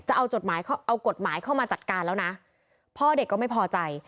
จะเอาจดหมายเอากฎหมายเข้ามาจัดการแล้วนะพ่อเด็กก็ไม่พอใจ